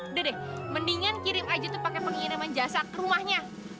udah deh mendingan kirim aja tuh pakai pengiriman jasa ke rumahnya